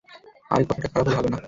আরে, কথাটা খারাপ হলে হবে না।